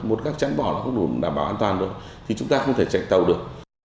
một gác chắn bỏ nó không đủ đảm bảo an toàn được thì chúng ta không thể chạy tàu được